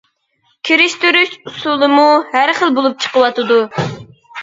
كىرىشتۈرۈش ئۇسۇلىمۇ ھەر خىل بولۇپ چىقىۋاتىدۇ.